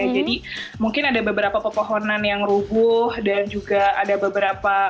jadi mungkin ada beberapa pepohonan yang rubuh dan juga ada beberapa